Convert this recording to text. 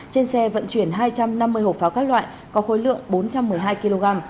trên xe vận chuyển hai trăm năm mươi hộp pháo các loại có khối lượng bốn trăm một mươi hai kg